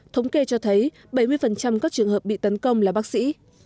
thống kê cho thấy bảy mươi các trường hợp bị tấn công là bác sĩ